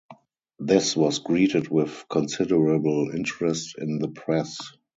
This was greeted with considerable interest in the press.